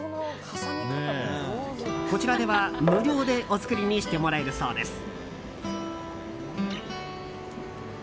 こちらでは無料でお造りにしてもらえるそうです。